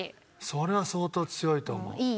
それは相当強いと思う。